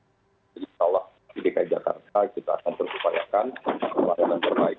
jadi insya allah di dki jakarta kita akan memperbaikkan pembiayaan yang terbaik